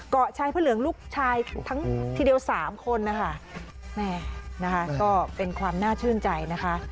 เกาะชายพระเหลืองลูกชายทั้งทีเดียวสามคนนะคะแม่นะคะก็เป็นความน่าชื่นใจนะคะ